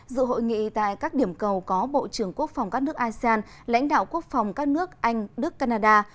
dự hội nghị tại các điểm cầu có bộ trưởng quốc phòng các nước asean lãnh đạo quốc phòng các nước anh đức canada